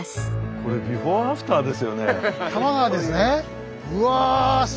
これ「ビフォーアフター」ですよね。